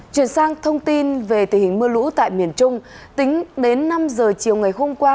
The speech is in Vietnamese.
chuyển sang thông tin về tình hình mưa lũ tại miền trung tính đến năm giờ chiều ngày hôm qua